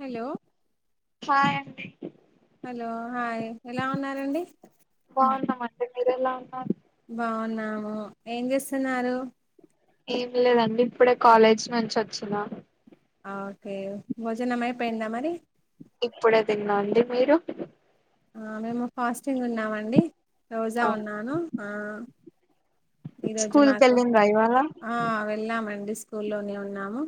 Hello hi అండి hello hi ఎలా ఉన్నారండి బాగున్నాం అండి మీరెలా ఉన్నారు బాగున్నాము ఏం చేస్తున్నారు ఏం లేదండి ఇప్పుడే కాలేజ్ నుంచి వచ్చిన ఓకే భోజనమ అయిపోయిందా మరి ఇప్పుడే తిన్నా అండి మీరు ఆ మేము ఫాస్టింగ్ ఉన్నామండి రోజా ఉన్నాను ఆ ఈరోజు స్కూల్ కి మాకు వెళ్ళిండ్రా ఇవాళ ఆ వెళ్ళామండి స్కూల్లోనే ఉన్నాము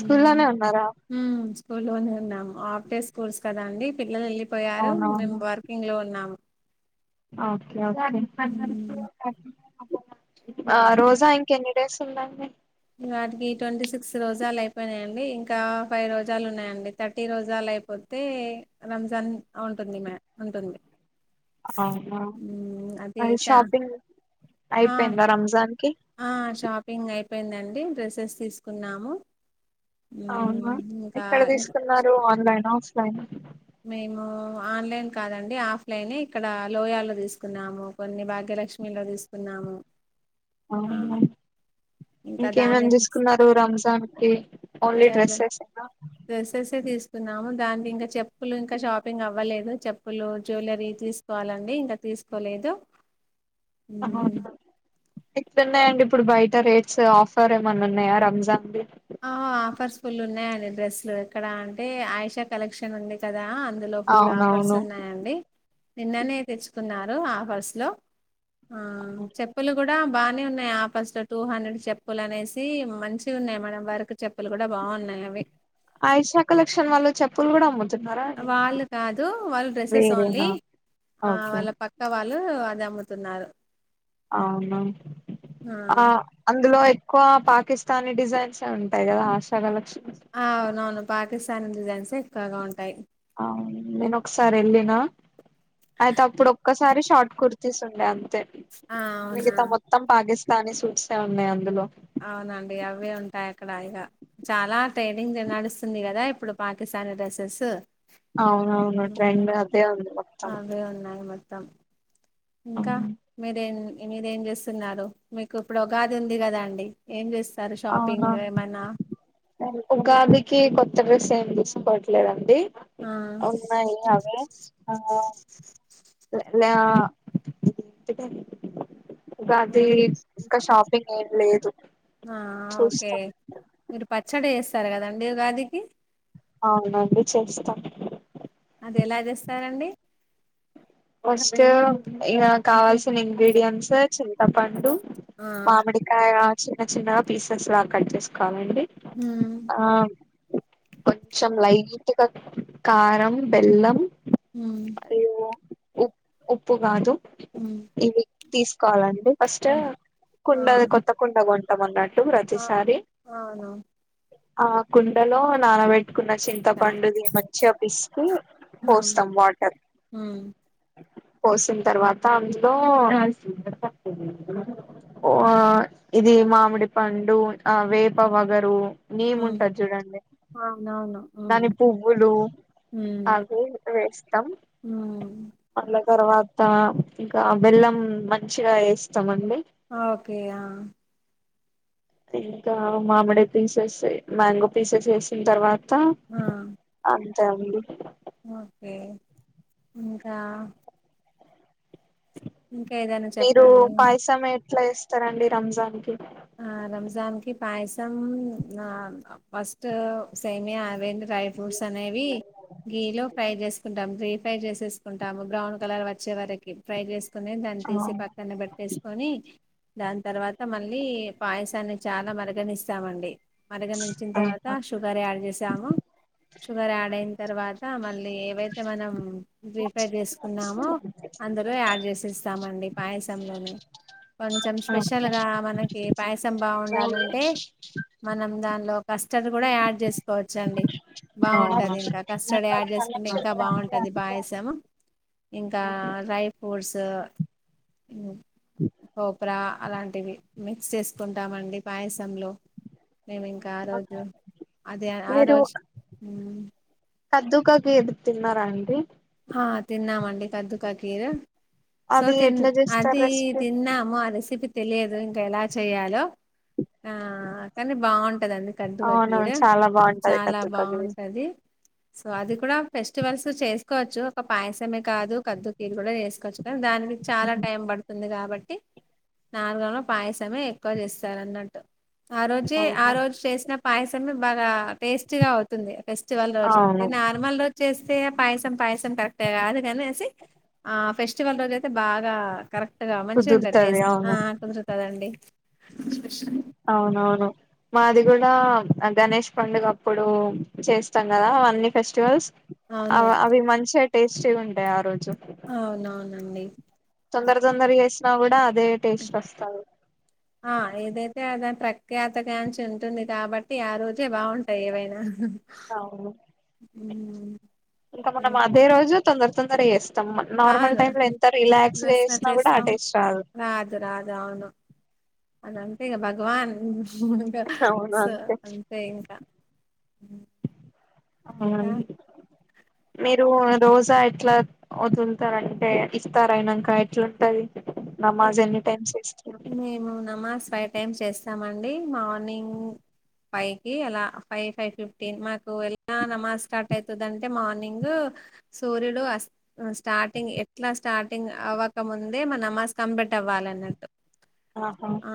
స్కూల్లోనే ఉన్నారా ఊ స్కూల్ లోనే ఉన్నాము ఆఫ్ డే స్కూల్స్ కదా అండి పిల్లలు వెళ్ళి పోయారు మేము అవునవును వర్కింగ్ లో ఉన్నాము ఓకే ఓకే ఉమ్. ఆ రోజా ఇంకెన్ని డేస్ ఉందండి ఇవాటికి ట్వంటీ సిక్స్ రోజాలు అయిపోయినాయండి ఇంకా ఫైవ్ రోజాలు ఉన్నాయండి థర్టీ రోజాలు అయిపోతే రంజాన్ అవుతుంది ఆ ఉంటుంది అవునా మ్మ్, అది చా షాపింగ్ ఆ అయిపోయిందా రంజాన్ కి ఆ షాపింగ్ అయిపోయిందండి డ్రెస్సెస్ తీసుకున్నాము అవునా మ్మ్, ఇంకా ఎక్కడ ఇంకా తీసుకున్నారు ఆన్లైనా ఆఫ్లైనా మేము ఆన్లైన్ కాదండి ఆఫ్లైనే ఇక్కడ లోయాలో తీసుకున్నాము కొన్ని భాగ్యలక్ష్మిలో తీసుకున్నాము ఆ అవును ఇంకా దాన్ని ఇంకేమేమి తీసుకున్నారు రంజాన్ కి ఓన్లీ ఇంకా డ్రెస్సెసేనా డ్రెస్సెసే తీసుకున్నాము దానికి ఇంకా చెప్పులు ఇంకా షాపింగ్ అవ్వలేదు చెప్పులు జ్యవెలరీ తీసుకోవాలండి ఇంకా తీసుకోలేదు అవునా ఎట్లున్నాయండి ఇప్పుడు బయట రేట్స్ ఆఫర్ ఏమన్నా ఉన్నాయా రంజాన్ కి ఆ ఆఫర్స్ ఫుల్లు ఉన్నాయంండి డ్రెస్సులు ఇక్కడ అంటే ఆయేషా కలెక్షన్ ఉంది కదా అందులో ఫుల్ ఆఫర్స్ అవునవును ఉన్నాయండి నిన్ననే తెచ్చుకున్నారు ఆఫర్స్ లో ఆ చెప్పలు కూడా బాగానే ఉన్నాయి ఆఫర్స్ లో టూ హండ్రెడ్ చెప్పులు అనేసి మంచిగున్నాయి మేడం వర్క్ చెప్పులు కూడా బాగున్నాయి అవి ఆయేషా కలక్షన్ వాళ్ళు చెప్పులు కూడా అమ్ము తున్నారా వాళ్ళు కాదు వాళ్ళు డ్రెస్సెస్ ఓన్లీ వేరేనా ఆ ఓకే వాళ్ళ పక్క వాళ్ళ వాళ్లు అది అమ్ముతున్నారు అవునా ఆ అందులో ఎక్కువ పాకిస్తానీ డిజైన్స్ ఉంటాయి కదా ఆషాడ లక్ష్మి సారీ డిజైన్స్ ఎక్కువగా ఉంటాయి అవును నేను ఒకసారి వెళ్లిన అయితే అప్పుడు ఒక్కసారి షార్ట్ కుర్తస్ ఉండే ఆ అవునా మిగతా మొత్తం పాకిస్తానీ సూట్స్ ఉన్నాయి అందులో అవునండి అవి ఉంటాయి అక్కడ ఇగ చాలా ట్రైనింగ్ నడుస్తుంది కదా ఇప్పుడు పాకిస్తాన్ పాకిస్తాన్ డ్రెస్సెస్ అవునవును ట్రెండ్ అదే ఉంది మొత్తం అవి ఉన్నాయి మొత్తం ఇంకా అవును మీరే మీర ఏం చేస్తున్నారు మీకు ఇప్పుడు ఉగాది ఉంది కదా అండి ఏం చేస్తున్నారు అవునా ఉగాదికి కొత్త డ్రెస్ ఏం తీసుకోవట్లేదుండి ఆ అడి ఉన్నాయి అవే ఆ లెహంగాలు ఆ అది ఇంకా షాపింగ్ ఏం లేదు ఆ ఓకే చూస్తాం మీరు పచ్చడి చేస్తారు కదండి ఉగాదికి అవునండి చేస్తాం అది ఎలా చేస్తారండి ఫస్ట్ ఇగా కావాల్సిన ఇంగ్రీడియంట్స్ చింతపండు ఆ మామిడికాయ చిన్న చిన్నగా పీసెస్ లాగా కట్ చేసుకోవాలండి ఉమ్ ఆ కొంచెం లైట్ గా కారం, బెల్లం ఉమ్ ఉప్పు ఉప్పు కాదు ఉ ఇవి తీసుకోవాలండి ఫస్ట్ ఆ కుండది కొత్త కుండ కొంటాం అన్నట్టు ఆ ప్రతిసారి అవునా ఆ కుండలో నానబెట్ పెట్టుకున్న చింతపండుది మంచిగా పిసికి ఉమ్ పోస్తాం వాటర్ ఉమ్ పోసిన తర్వాత అందులో ఆ ఇది మామిడి పండు ఆ వేప వగరు నేమ్ ఉమ్ ఉంటది చూడండి అవునవును ఉమ్ దాని పువ్వులు ఉమ్ అది వేస్తాం ఉమ్ తర్వాత ఇంకా బెల్లం మంచిగా ఏస్తాం ఓకే ఆ ఇంకా మామిడి పీసెస్ మ్యాంగో పీసెస్ వేసిన తర్వా ఆ అంతే అండి ఓకే ఇంకా ఇంకేదన్న మీరు చెప్పండి పాయసం ఎట్లా చేస్తారండి రంజాన్ కి ఆ రంజాన్కి పాయసం ఫస్ట్ సేమియా అవే డ్రై ఫ్రూట్స్ అనేవి గియ లో ఫ్రై చేసుకుంటాం డి ఫ్రై చేసేసుకుంటాము బ్రౌన్ కలర్ వచ్చే వరకి ఫ్రై చేస్ దాన్ని ఆ తీసి పక్కన పెట్టేసుకొని దాని తర్వాత మళ్ పాయసాన్ని చాలా మరగనిస్తామండి మరగనించిన ఆ తర్వాత షుగర్ యాడ్ చేసాము షుగర్ యాడ్ అయిన తర్వాత మళ్ళీ ఏవైతే మనం రీ ఫ్రై చేసుకున్నామో అందులో యాడ్ చేసిస్తామండి పాయసం లోనే కొంచెం స్పెషల్ గా మనకి పాయసం బాగుండాలంటే మనం దాన్ లో కస్టర్డ్ కూడా యాడ్ చేసుకోవచ్చు అండి బాగుంటది ఇంకా కస్టర్డ్ యాడ్ చేసుకుంటే ఇంకా బాగుంటది పాయసం ఇంకా డ్రై ఫ్రూట్స్ కోప్ర అలాంటివి మిక్స్ చేసుకుంటామండి పాయసంలో మేమి ఇంకా ఆ రోజు అదే ఆ రోజు కద్దుకకీర్ తిన్నారా అండి ఆ తిన్నామండి కద్దుక కీర్ సో అది తిన్ ఎట్లా చేస్తారు అది రెసిపీ తిన్నాము ఆ రెసిపీ తెలియదు ఇంకా ఎలా చెయలో ఆ కానీ బాగుంటదిండి అవును కద్దుగాకీర్ చాలా బాగుంటది చాలా కద్దుకా కీర్ బాగుంటది సో అది కూడా పెస్ చేసుకోవచ్చు ఒక పాయసమే కాదు కద్దుకీరు కూడా చేసుకోవచ్చు కానీ దాని చాలా టైం పడుతుంది కాబట్టి నార్మల్గా పాయసమే ఎక్కువ చేస్తారు అన్నట్టు ఆ రోజే ఆ అవును రోజు చేసిన పాయసమే బాగా టేస్టీగా అవుతుంది ఫెస్టివల్ రోజు నార్మల్ రోజు చేస్తే పై పాయసం కరెక్టే కాదు గా అనేసి ఫెస్టివల్ రోజు అయితే బాగా కరె మంచిగా ఉంటాది కుదురుతది టేస్ట్ ఆ అవును కుదరుతాదండి. అవునవును మాది కూడా గణేష్ పండుగ అప్పుడు చేస్తాం కదా అన్ని ఫెస్టివల్స్ అవును అవి మంచిగా టేస్టీగా ఉంటాయి, ఆ రోజు అవునవునండి. తొందర తొందరగా చేసినా కూడా అదే టేస్ట్ వస్తాది. ఆ ఏదైతే అదే ప్రఖ్యాతగాంచి ఉంటుంది కాబట్టి ఆ రోజే బాగుంటాయ్ ఏవైనా అవును ఉమ్ ఇంకా మనం అదే రోజు తొందర తొందర చేేస్ నార్మల్ అవును టైమ్ ల ఎంత రిలాక్స్గా రస్నా చేసినా కూడా ఆ చేస్తాం టేస్ట్ రాదు. అదంతేగా భగవాన్ ఇంకా స అంతే ఇంకా ఇంకా మీరు రోజా ఎట్లా వదులుతారంటే ఇస్తార అయినంక ఎట్లుంటది. నమాజ్ ఎన్ని టైమ్స్ చేస్ మేము నమాజ్ ఫైవ్ టైమ్స్ చేస్తామండి మార్నింగ్ ఫైవ్ కి అలా ఫైవ్ ఫైవ్ ఫిఫ్టీన్ మా ఎలా నమాజ్ స్టార్ట్ అయితది అంటే మార్నింగ్ సూర్యుడు అస్ స్టార్టింగ్ ఎట్లా స్టార్టింగ్ అవ్వకముందే మన నమాజ్ కంపెట్ అవ్వాల అన్నట్టు. ఆహా ఆ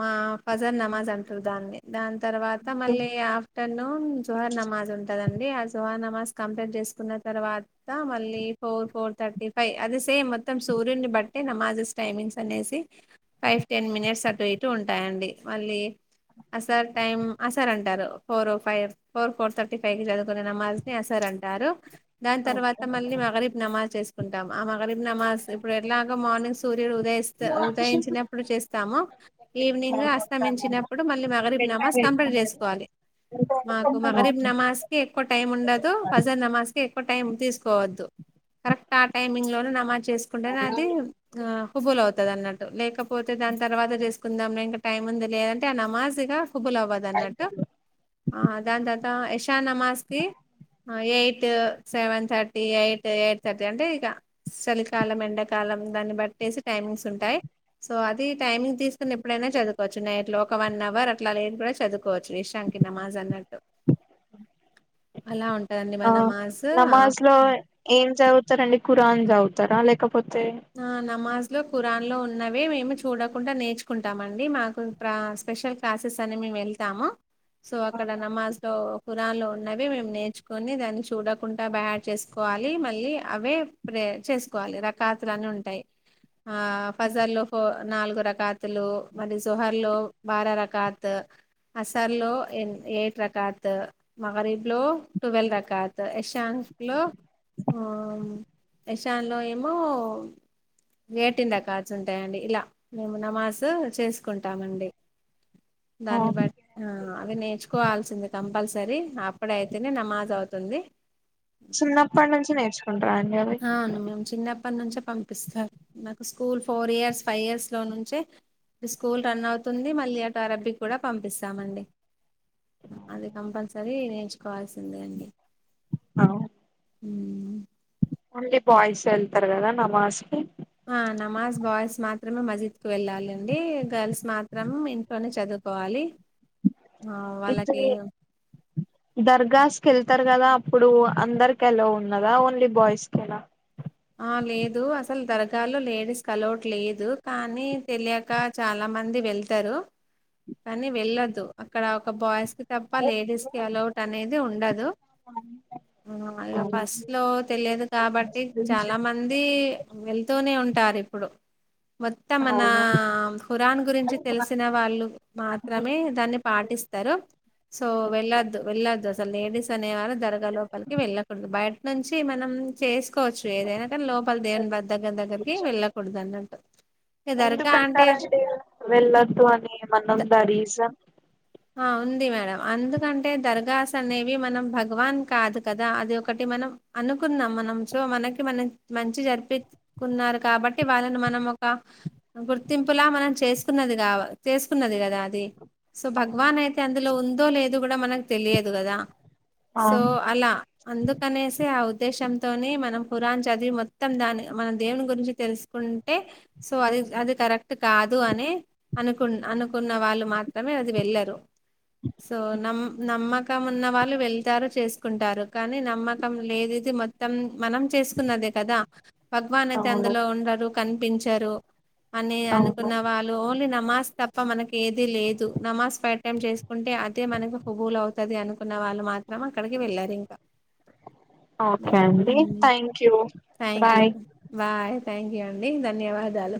మా ఫజర్ నమాజ్ అంటారు దాన్ని దాన్ తర్వాత మళ్ళీ ఆఫ్టర్నూన్ జుహార్ నమాజ్ ఉంటదండి ఆ జుహర్ నమాజ్ కంపెట్ చేసుకున్న తర్వాత మళ్ళీ ఫోర్ ఫోర్ థర్టీ ఫైవ్ అది సేమ్ మొత్తం సూర్యుని బట్టే నమాజెస్ టైమింగ్స్ అనేసి ఫైవ్ టెన్ మినిట్స్ అటు ఇటు ఉంటాయండి మళ్ళీ అసార్ టైమ్ అసార్ అంటారు four five four four thirty five కి చదువుకునే నమాజ్ ని అసార్ అంటారు దాని తర్వాత మళ్ళీ మగరీబ్ నమాజ్ చేసుకుంటాం ఆ మగరీబ్ నమాజ్ ఇప్పుడు ఎట్లాగ మార్నింగ్ సూర్యుడు ఉదయ్ ఇస్త ఉ ఉదయించినప్పుడు చేస్తామో ఈవినింగ్ అస్తమించినప్పుడు మళ్ళీ మగరీబ్ నమాజ్ కంపెట్ చేసుకోవా మాకు మగరీబ్ ఓకే నమాజ్ కి ఎక్కువ టైమ్ ఉండదు ఫజల్ నమాజ్ కి ఎ ఎక్కువ టైం తీసుకోవద్దు కరెక్ట్ ఆ టైమింగ్లోనే నమాజ్ చేసుకుంటేనే అది ఆ కుుబుల్ అవుతది అన్నట్టు లేకపోతే దాని తర్వాత చేసుకుందాము ఇంకా టైం ఉంది లే అంటే ఆ నమాజ్ ఇగ హుబులోవదు అన్నట్టు దాని తర్వాత యశానమాస్తి eight seven thirty eight eight thirty అంటే ఇక సలికాలం ఎండకాలం దాన్ని బట్ ట్టేసి టైమింగ్స్ ఉంటాయ్. సో అది టైమింగ్ తీసుకుని ఎప్పుడైనా చదుకోవచ్చు నైట్ లో ఒక వన్ అవర్ అట్లా లేచి కూడా చదువుకోవచ్చు ఇష్ ంకి నమాజ్ అన్నట్టు. అలా ఉంటదండి ఆ మన నమాజ్ ఆ నమాజ్ లో ఏం చవుతారండి ఖురాన్ చవుతా తరా లేక ఆ నమాజ్ లో కురాన్ లో ఉన్నవే మేము చూడకుండా నేర్చుకుంటామండి మాకు ప్రా స్పెషల్ క్లాసెస్ అని వెళ్తాము సో అక్కడ నమాజ్ తో దానిలో ఉన్నవి మేము నేర్చుకొని దాన్ని చూడకుండా బైహాడ్ చేసుకోవాలి మళ్ళీ అవే ప్రే చేసుకోవాలి రకాతులున్నంటాయ్ ఆ ఫజర్ లో ఫో నాలుగు రకాతులు మరి సుహర్ లో భార రకాత్ అసర్ లో ఎ ఎయిట్ రకాత్ మగరీబ్ లో టువల్ రకాత్ యశాంక్ లో ఎషాన్ లో ఏమో వేటింద కాచుంటాయండి ఇలా మేము నమాజు చేసుకుంటామండి. దాన్ని బట్ అవి నేర్చుకోవాల్సిందే కంపల్స సరి అప్పుడైతేనే నమాజ్ అవుతుంది. చిన్నాప్పడు నుంచి నేర్చు అవును మేం చిన్నప్ నుంచే పంపిస్తారు నాకు school four years five years లో నుంచే స్కూల్ రన్ అవుతుంది మళ్ళీ అటు అరబ్బీ కూడా పంపిస్తామండి అది కంపల్సరీ నేర్చుకోవాల్సిందే అండి అవ్ హ మళ్ళీ బాయ్స్ వెళ్తారు కదా నమాజ్ కి ఆ నమాజ్ బాయ్స్ మాత్రమే మజిద్ కు వెళ్ళాలండి గర్ల్స్ మాత్రం ఇంట్లోనే చదువు కోవాలి ఆ వాళ్ళకి ఇది దర్గాస్ కి వెళ్తారు కదా అప్పుడు అందరికి ఎలో ఉన్నదా ఓన్లీ బాయ్స్ కే న ఆ లేదు అసలు దర్గాలో లేడీస్ కి ఎలౌట్ లేదు కానీ తెలియక చాలా మంది వెళ్తారు కానీ వెళ్ళొదు అక్కడ ఒక బాయ్స్ తప్ప లేడీస్ కి ఎలౌట్ అనేది ఉండదు ఆ ఇగ ఫస్ట్ లో తెలియదు కాబట్టి చాలా మంది వెళ్తూనే ఉంట టారు ఇప్పుడు మొత్తం మన అవును ఖురాన్ గురించి తెలిసిన వాళ్ళు మాత్రమే దాన్ని పాటిస్తారు సో వెళ్ళద్దు వెళ్ళద్ అసలు లేడీస్ అనేవారు దర్గా లోపలికి వెళ్ళకూడదు బయట నుంచి మనం చేసి కోవచ్చు ఏదైనా కానీ లోపల్ దేవుని బా దగ్గర దగ్గరికి వెళ్కూడదు అన్నట్టు ఇగ దర్గా అంటే ఎందుకంటారంటడి వెళ్లొద్దు అని మనం ద రీజన్ ఆ ఉంది మేడం అందుకంటే దర్గాస్ అనేవి మనం భగవాన్ కాదు కదా అది ఒకటి మనం అనుకున్నాం మనం సో మనకి మనం మంచి జరిపించుకున్నారు కాబట్టి వాళ్ళని మనం ఒక గుర్తింపులా మనం చేసుకున్నది కా చేసుకున్నది కదా అది సో భగవాన్ అయితే అందులో ఉందో లేదో కూడా మనకు తెలియదు కదా సో అలా అందుకనేసే ఆ ఉద్దేశంతోని మనం ఖురాన్ చదివి మొ త్తం దాని మన దేవుని గురించి తెలుసుకుంటే సో అది అది కరెక్ట్ కాదు అనె అనుకు అనుకున్న వాళ్ళు మాత్రమే వెళ్ళరు సో నమ్ నమ్మకం ఉన్న వాళ్ళు వెళ్తారు చేసుకుంటారు కానీ నమ్మకం లేనిది మొత్తం మనం చేసుకున్నదే కదా భగవాన్ అయితే అవును అందులో ఉండరు కనిపించరు అని అవును అనుకున్న వాళ్ళు ఓన్లీ నా మాస్క్ తప్ప మనకి ఏది లే నమాజ్ పెట్ట టైం చేసుకుంటే అదే మనకు హుబవులు అవుతది అను కున్న వాళ్ళు మాత్రం అక్కడికి వెళ్ళారు ఇంకా ఓకే అండి థ్యాంక్యూ బాయ్ థ్యాంక్యూ అండి ధన్యవాదాలు